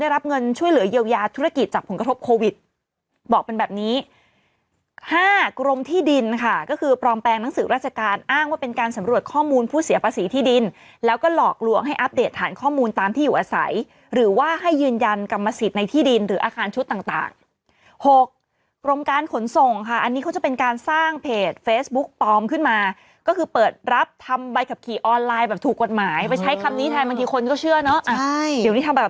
รับเงินช่วยเหลือเยียวยาธุรกิจจากผลกระทบโควิดบอกเป็นแบบนี้๕กรมที่ดินค่ะก็คือปลอมแปลงหนังสือราชการอ้างว่าเป็นการสำรวจข้อมูลผู้เสียภาษีที่ดินแล้วก็หลอกลวงให้อัปเดตฐานข้อมูลตามที่อยู่อาศัยหรือว่าให้ยืนยันกรรมสิทธิ์ในที่ดินหรืออาคารชุดต่าง๖กรมการขนส่ง